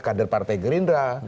karder partai gerindra